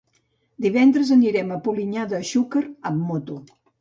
Divendres anirem a Polinyà de Xúquer amb moto.